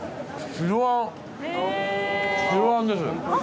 白あんです。